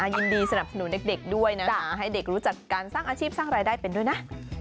ยินดีสนับสนุนเด็กด้วยนะให้เด็กรู้จักการสร้างอาชีพสร้างรายได้เป็นด้วยนะ